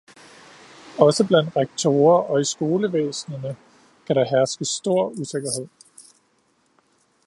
Også blandt rektorer og i skolevæsenerne kan der herske stor usikkerhed.